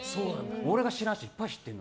俺が知らん人いっぱい知ってるの。